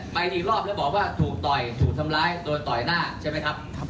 อีกรอบแล้วบอกว่าถูกต่อยถูกทำร้ายโดนต่อยหน้าใช่ไหมครับ